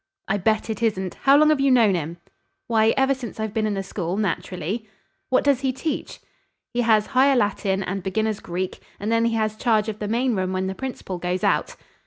"I bet it isn't. How long have you known him?" "Why, ever since I've been in the school, naturally." "What does he teach?" "He has higher Latin and beginners' Greek, and then he has charge of the main room when the principal goes out."